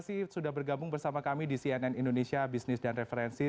terima kasih sudah bergabung bersama kami di cnn indonesia bisnis dan referensi